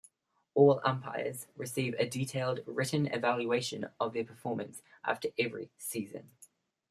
All umpires receive a detailed written evaluation of their performance after every season.